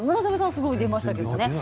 すごい出ましたね。